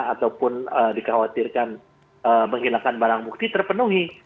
ataupun dikhawatirkan menghilangkan barang bukti terpenuhi